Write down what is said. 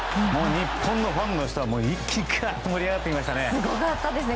日本のファンの人は一気に盛り上がってきましたね。